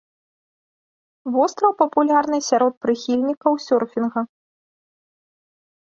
Востраў папулярны сярод прыхільнікаў сёрфінга.